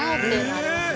ありますね。